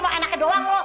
mau enaknya doang lo